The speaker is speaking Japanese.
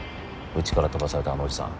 うちから飛ばされたあのおじさん。